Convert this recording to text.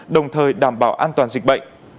đồng thời đảm bảo an toàn dịch bệnh